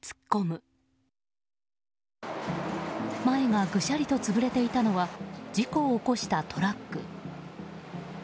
前がぐしゃりと潰れていたのは事故を起こしたトラック。